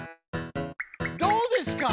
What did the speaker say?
どうですか？